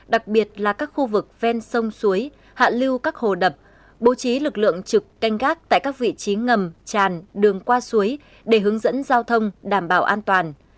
đặc biệt là các khu vực ven sông suối hạ lưu các hồ đập bố trí lực lượng trực canh gác tại các vị trí ngầm tràn đường qua suối để hướng dẫn giao thông đảm bảo an toàn